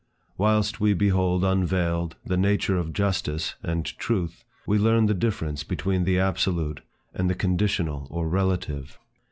Whilst we behold unveiled the nature of Justice and Truth, we learn the difference between the absolute and the conditional or relative.